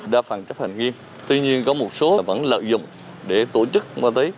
đa phần chấp hành nghiêm tuy nhiên có một số vẫn lợi dụng để tổ chức ma túy